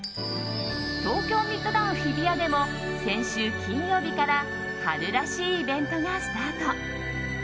東京ミッドタウン日比谷でも先週金曜日から春らしいイベントがスタート。